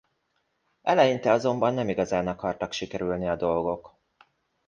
Eleinte azonban nem igazán akartak sikerülni a dolgok.